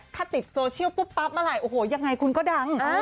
ถ้าติดโซเชียลปุ๊บปั๊บเมื่อไหร่โอ้โหยังไงคุณก็ดัง